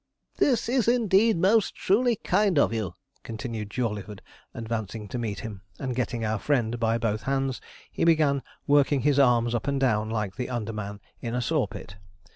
'This is, indeed, most truly kind of you,' continued Jawleyford, advancing to meet him; and getting our friend by both hands, he began working his arms up and down like the under man in a saw pit.